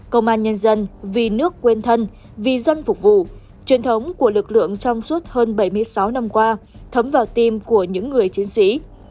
công an nhân dân vì nước quên thân vì dân phục vụ truyền thống của lực lượng trong suốt hơn bảy mươi sáu năm qua thấm vào tim của những người chiến sĩ